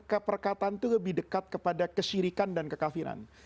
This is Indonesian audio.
keperkataan itu lebih dekat kepada kesirikan dan kekafiran